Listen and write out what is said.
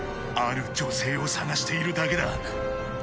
ある女性を捜しているだけだ。